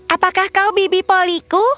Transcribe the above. apakah kau bibi poliku